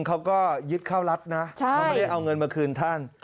เขาก็ยึดเข้ารัฐนะเขาไม่ได้เอาเงินมาคืนท่าน